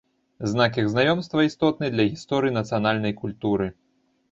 Знак іх знаёмства істотны для гісторыі нацыянальнай культуры.